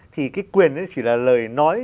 thì cái quyền ấy chỉ là lời nói